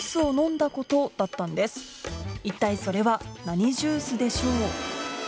一体それは何ジュースでしょう？